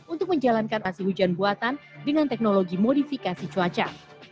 untuk menjalankan aksi hujan buatan dengan teknologi modifikasi cuaca